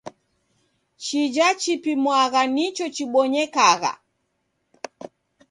Chija chipimwagha nicho chibonyekagha.